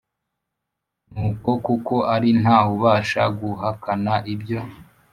Nuko kuko ari nta wubasha guhakana ibyo